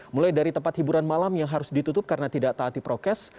mulai dari tempat hiburan malam yang harus ditutup karena tidak taati prokes